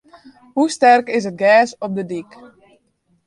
Hoe sterk is it gers op de dyk?